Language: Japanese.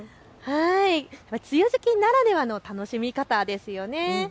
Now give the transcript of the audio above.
梅雨どきならではの楽しみ方ですよね。